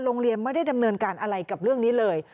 โรงเรียนไม่ได้ดำเนินการอะไรกับเรื่องนี้เลย